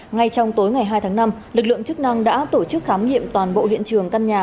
ngay trong tối ngày hai tháng năm lực lượng chức năng đã tổ chức khám nghiệm toàn bộ hiện trường căn nhà